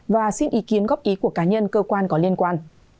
và xin ý kiến góp ý của cá nhân cơ quan có liên quan